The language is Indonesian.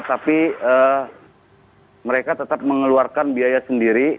tapi mereka tetap mengeluarkan biaya sendiri